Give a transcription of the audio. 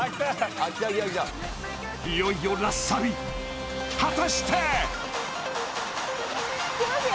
いよいよラスサビ果たしてきますよ